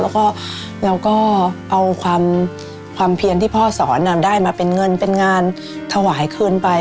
แล้วก็เราก็เอาความเพียรที่พ่อสอนได้มาเป็นเงินเป็นงานถวายคืนไป